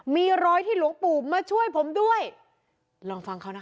มีรอยที่หลวงปู่มาช่วยผมด้วยลองฟังเขานะคะ